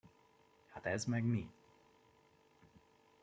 Hát ez meg mi?